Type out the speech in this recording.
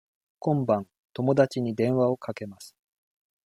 今晩友達に電話をかけます。